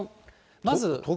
まず。